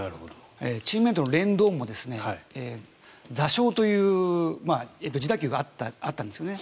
チームメートのレンドンも挫傷という自打球があったんですね。